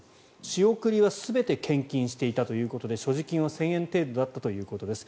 仕送りは全て献金していたということで所持金は１０００円程度だったということです。